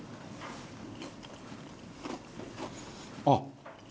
あっ！